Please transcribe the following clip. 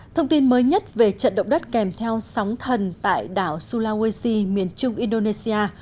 thông tin mới nhất về trận động đất kèm theo sóng thần tại đảo sulawesi miền trung indonesia